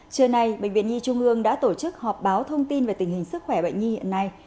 trưa nay bệnh viện nhi trung ương đã tổ chức họp báo thông tin về tình hình sức khỏe bệnh nhi hiện nay